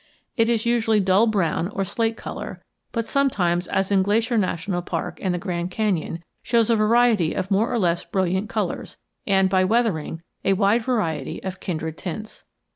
It is usually dull brown or slate color, but sometimes, as in Glacier National Park and the Grand Canyon, shows a variety of more or less brilliant colors and, by weathering, a wide variety of kindred tints.